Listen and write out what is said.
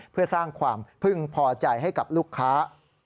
เพื่อสร้างความพึ่งพอใจให้กับลูกค้า